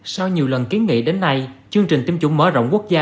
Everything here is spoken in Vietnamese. sau nhiều lần kiến nghị đến nay chương trình tiêm chủng mở rộng quốc gia